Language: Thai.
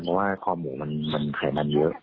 เพราะว่าคอหมูมันไขมันเยอะ